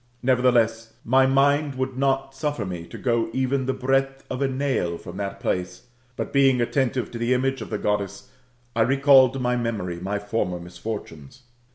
Nevertheless, my mind would not sufler me to go even the breadth of a nail from that place ; but, being attentive to the image of the Groddess, I recalled to my memory my former misfortunes.